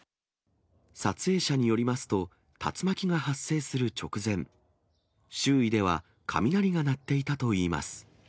撮影者によりますと、竜巻が発生する直前、周囲では雷が鳴っていたといいます。